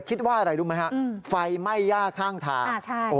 คิดว่าอะไรรู้ไหมฮะไฟไหม้ย่าข้างทาง